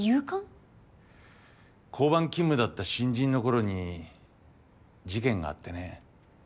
交番勤務だった新人の頃に事件があってね。